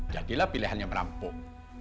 jadilah pilihan yang merampok